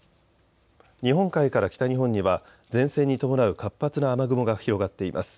日本海から北日本には前線に伴う活発な雨雲が広がっています。